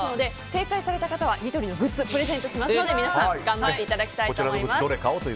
正解された方にはニトリのグッズをプレゼントしますので、皆さん頑張っていただきたいと思います。